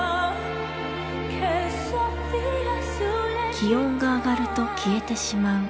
気温が上がると消えてしまう。